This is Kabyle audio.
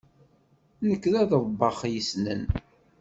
Nekk d aḍebbax yessnen.